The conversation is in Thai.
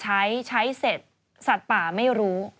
ใช้ใช้เสร็จสัตว์ป่าไม่รู้